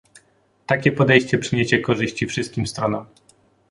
Takie podejście przyniesie korzyści wszystkim stronom